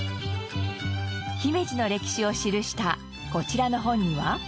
姫路の歴史を記したこちらの本には。